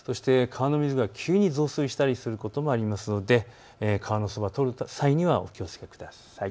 川の水が急に増水したりすることもありますので川のそばを通る際にはお気をつけください。